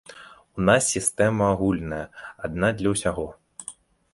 У нас сістэма агульная, адна для ўсяго.